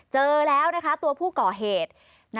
เจอแล้วนะคะตัวผู้ก่อเหตุ